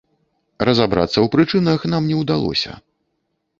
Разабрацца ў прычынах нам не ўдалося.